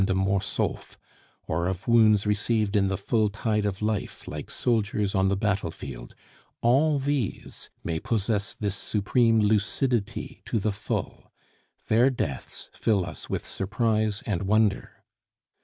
de Mortsauf, or of wounds received in the full tide of life like soldiers on the battlefield all these may possess this supreme lucidity to the full; their deaths fill us with surprise and wonder.